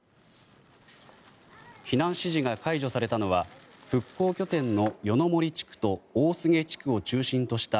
避難指示が解除されたのは復興拠点の夜の森地区と大菅地区を中心とした